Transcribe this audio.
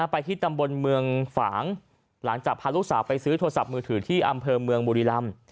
ไปที่ตำบลเมืองฝางหลังจากพาลูกสาวไปซื้อโทรศัพท์มือถือที่อำเภอเมืองบุรีรำ